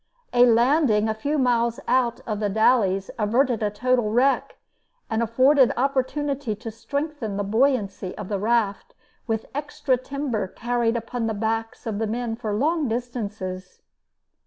A landing a few miles out of The Dalles averted a total wreck, and afforded opportunity to strengthen the buoyancy of the raft with extra timber carried upon the backs of the men for long distances.